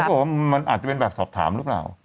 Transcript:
บอกว่ามันอาจจะเป็นแบบสอบถามหรือเปล่า